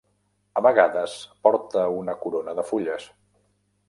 A vegades porta una corona de fulles.